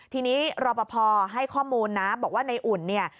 ทีนี้รอปภให้ข้อมูลนะบอกว่าในอุ่นเนี่ย